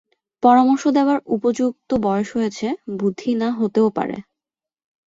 পরামর্শ দেবার উপযুক্ত বয়স হয়েছে, বুদ্ধি না হতেও পারে।